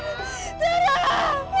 ma aku malam